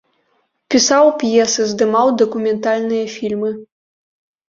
Пісаў п'есы, здымаў дакументальныя фільмы.